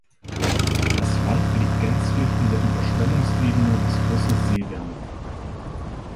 Das Land liegt gänzlich in der Überschwemmungsebene des Flusses Severn.